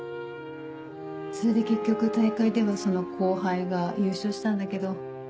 それで結局大会ではその後輩が優勝したんだけど。